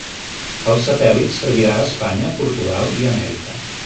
El satèl·lit servirà a Espanya, Portugal i Amèrica.